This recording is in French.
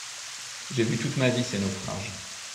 J'ai vu toute ma vie ses naufrages.